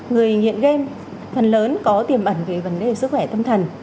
người nghiện game phần lớn có tiềm ẩn về vấn đề sức khỏe tâm thần